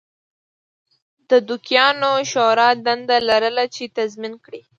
د دوکیانو شورا دنده لرله چې تضمین کړي